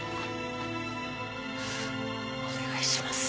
お願いします。